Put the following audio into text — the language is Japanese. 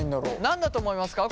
何だと思いますか？